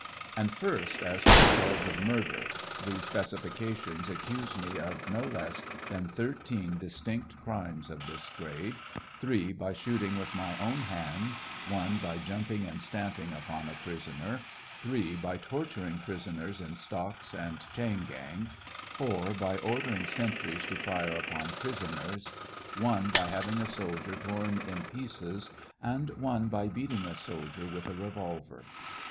And first, as to the charge of murder: the specifications accuse me of no less than thirteen distinct crimes of this grade ; three by shooting with my own hand, one by jumping and stamping upon a prisoner, three by torturing prisoners in stocks and chain gang, four by ordering sentries to fire upon pi isoners, one by having a soldier torn in pieces, and one by beating a soldier with a revolver.